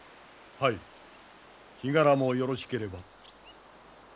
はい日柄もよろしければ。